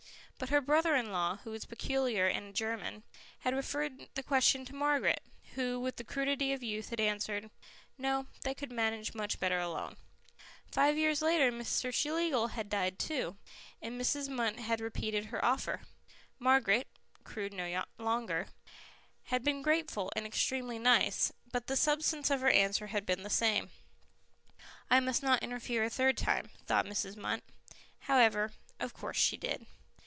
But her brother in law, who was peculiar and a German, had referred the question to Margaret, who with the crudity of youth had answered, "No, they could manage much better alone." Five years later Mr. Schlegel had died too, and Mrs. Munt had repeated her offer. Margaret, crude no longer, had been grateful and extremely nice, but the substance of her answer had been the same. "I must not interfere a third time," thought Mrs. Munt. However, of course she did.